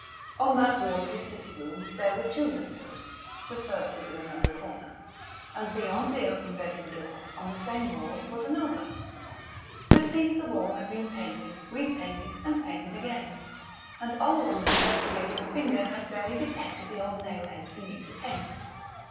On that wall of his sitting room there were two windows (the third was in another corner), and, beyond the open bedroom door, on the same wall, was another. The seats of all had been painted, repainted, and painted again; and Oleron's investigating finger had barely detected the old nailheads beneath the paint.